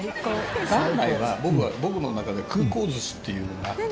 元来は僕の中で空港寿司っていうのがあって。